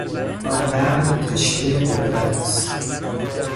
آن مرد تشنهی قدرت است.